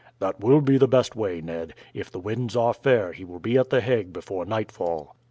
"That will be the best way, Ned. If the winds are fair he will be at the Hague before nightfall."